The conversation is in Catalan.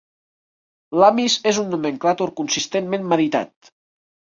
L"Amis és un nomenclàtor consistentment meditat.